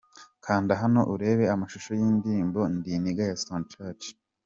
Kanda hano urebe amashusho y'indirimbo 'Ndi nigga' ya Stone church.